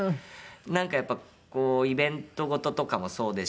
なんかやっぱこうイベント事とかもそうですし。